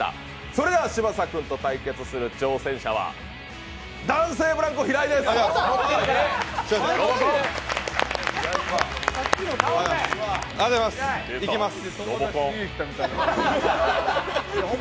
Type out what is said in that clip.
それでは嶋佐君と対決する挑戦者は男性ブランコ、平井です。